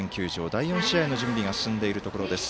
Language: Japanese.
第４試合の準備が進んでいるところです。